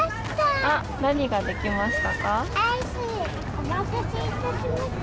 お待たせいたしました。